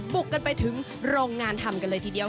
บุกกันไปถึงโรงงานทำกันเลยทีเดียว